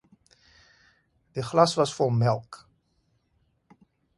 Die glas was vol melk.